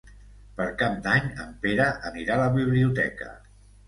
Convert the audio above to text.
Per Cap d'Any en Pere anirà a la biblioteca.